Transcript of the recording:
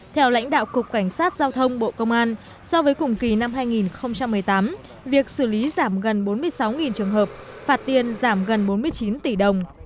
theo lãnh đạo cục cảnh sát giao thông bộ công an so với cùng kỳ năm hai nghìn một mươi tám việc xử lý giảm gần bốn mươi sáu trường hợp phạt tiền giảm gần bốn mươi chín tỷ đồng